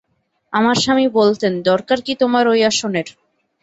আমার স্বামী বলতেন, দরকার কী তোমার ঐ আসনের?